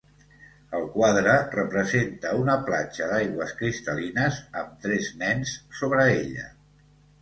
El quadre representa una platja d'aigües cristal·lines, amb tres nens sobre ella.